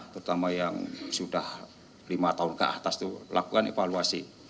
terutama yang sudah lima tahun ke atas itu lakukan evaluasi